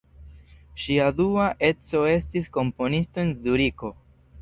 Ŝia dua edzo estis komponisto en Zuriko.